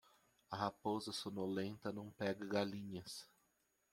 A raposa sonolenta não pega galinhas.